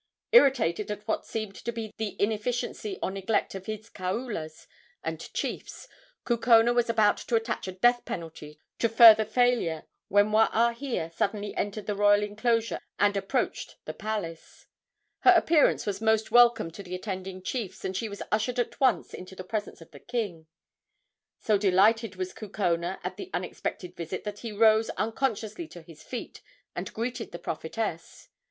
Irritated at what seemed to be the inefficiency or neglect of his kaulas and chiefs, Kukona was about to attach a death penalty to further failure when Waahia suddenly entered the royal enclosure and approached the palace. Her appearance was most welcome to the attending chiefs, and she was ushered at once into the presence of the king. So delighted was Kukona at the unexpected visit that he rose unconsciously to his feet and greeted the prophetess.